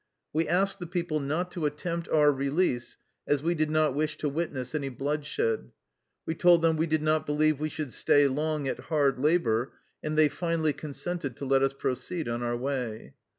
We asked the people not to attempt our release as we did not wish to witness any bloodshed; we told them we did not believe we should stay long at hard labor, and they finally consented to let us proceed on our way.